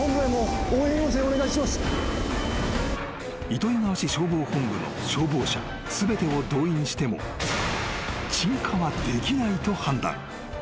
［糸魚川市消防本部の消防車全てを動員しても鎮火はできないと判断］